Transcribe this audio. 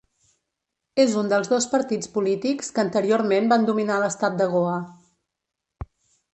És un dels dos partits polítics que anteriorment van dominar l'estat de Goa.